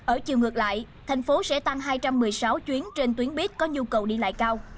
ở chiều ngược lại thành phố sẽ tăng hai trăm một mươi sáu chuyến trên tuyến buýt có nhu cầu đi lại cao